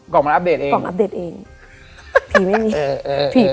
ออกมาอัปเดตเองกล่องอัปเดตเองผีไม่มีเออเออผี